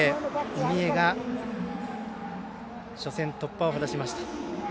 三重が初戦突破を果たしました。